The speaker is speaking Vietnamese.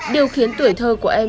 điều khiến tuổi thơ của em